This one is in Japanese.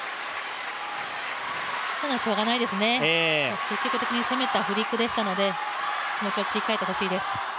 しょうがないですね、積極的に攻めたフリックでしたので気持ちを切り替えてほしいです。